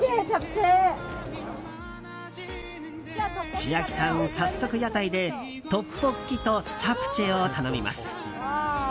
千秋さん、早速屋台でトッポッキとチャプチェを頼みます。